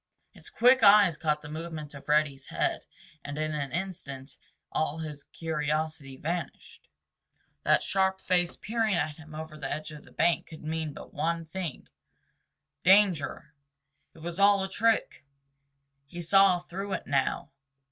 His quick eyes caught the movement of Reddy's head and in an instant all his curiosity vanished. That sharp face peering at him over the edge of the bank could mean but one thing—danger! It was all a trick! He saw through it now.